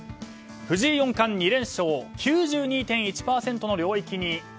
藤井四冠２連勝９２．１％の領域に。